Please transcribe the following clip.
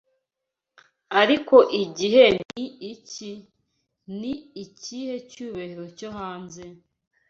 Ariko igihe ni iki? Ni ikihe cyubahiro cyo hanze?